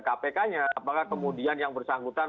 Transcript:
kpk nya apakah kemudian yang bersangkutan